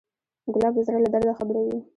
ګلاب د زړه له درده خبروي.